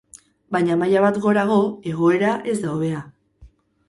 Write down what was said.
Baina maila bat gorago egoera ez da hobea.